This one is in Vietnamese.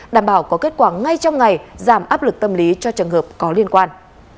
đảm bảo có kết quả ngay trong ngày giảm áp lực tâm lý cho trường hợp có liên quan